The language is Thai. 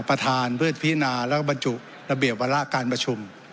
ประธานเพื่อพินาแล้วก็บรรจุระเบียบวาระการประชุม